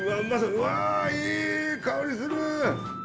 うわぁいい香りする！